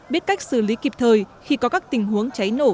biết cách xử lý kịp thời khi có các tình huống cháy nổ xảy ra